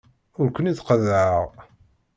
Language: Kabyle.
Ur ken-id-qeḍḍɛeɣ.